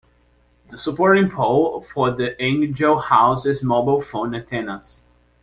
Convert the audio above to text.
The supporting pole for the angel houses mobile phone antennas.